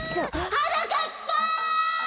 ・はなかっぱ！